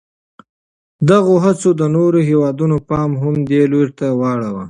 دغو هڅو د نورو هېوادونو پام هم دې لوري ته واړاوه.